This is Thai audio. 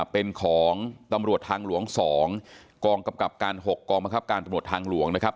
เป็นของตำรวจทางหลวง๒กองกำกับการ๖กองบังคับการตำรวจทางหลวงนะครับ